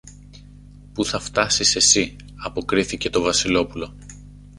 που θα φτιάσεις εσύ, αποκρίθηκε το Βασιλόπουλο.